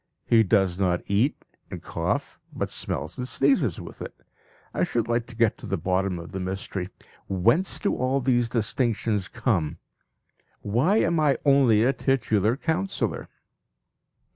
He does not eat and cough, but smells and sneezes with it. I should like to get to the bottom of the mystery whence do all these distinctions come? Why am I only a titular councillor?